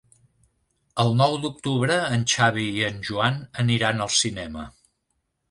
El nou d'octubre en Xavi i en Joan aniran al cinema.